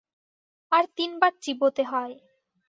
আর তিনবার চিবোতে হয়।